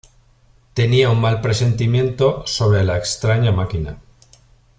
Tenía un mal presentimiento sobre la extraña máquina.